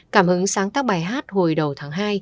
cảm hứng sáng tác bài hát hồi đầu tháng hai